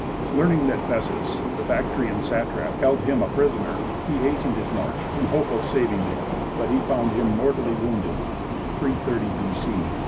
Learning that Bessus, the Bactrian satrap, held him a prisoner, he hastened his march, in the hope of saving him, but he found him mortally wounded (330 B.C.).